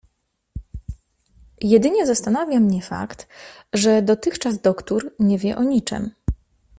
"Jedynie zastanawia mnie fakt, że dotychczas doktór nie wie o niczem."